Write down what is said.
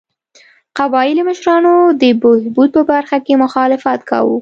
قبایلي مشرانو د بهبود په برخه کې مخالفت کاوه.